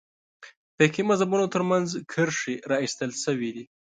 فقهي مذهبونو تر منځ کرښې راایستل شوې دي.